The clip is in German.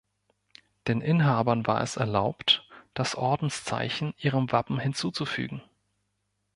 Den Inhabern war es erlaubt, das Ordenszeichen ihrem Wappen hinzuzufügen.